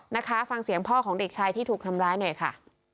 นะคะฟังเสียงพ่อของเด็กชายที่ถูกทำร้ายหน่อยค่ะ